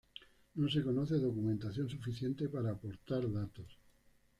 No se conoce documentación suficiente para aportar datos.